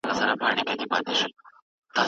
بې له تا نه تېره شوې زمانه څه